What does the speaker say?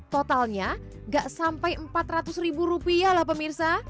totalnya gak sampai empat ratus ribu rupiah lah pemirsa